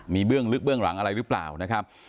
มีเบื้องลึกเบื้องหลังอะไรหรือเปล่านะครับ